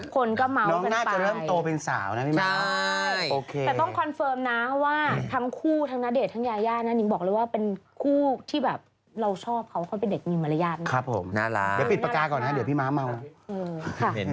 ก็เป็นคู่ทั้งณเดชทั้งยาย่านนะนิมบอกเลยว่าเป็นคู่ที่แบบเราชอบเขาเขาเป็นเด็กมีมารยาทนะครับผมน่ารักเดี๋ยวปิดปากก้าก่อนนะเดี๋ยวพี่ม้าเมานะค่ะ